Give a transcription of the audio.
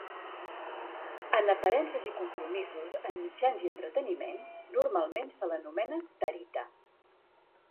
En aparences i compromisos en mitjans i entreteniment, normalment se l'anomenava Tarita.